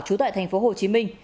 trú tại tp hcm